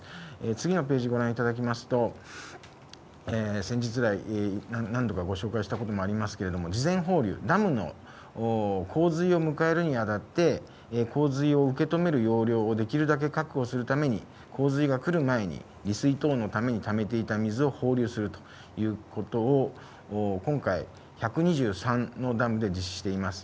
次のページご覧いただきますと、先日来、何度かご紹介したこともありますけれども、事前放流、ダムの洪水を迎えるにあたって、洪水を受け止める容量をできるだけ確保するために洪水が来る前に、利水等のためにためていた水を放流するということを今回、１２３のダムで実施しています。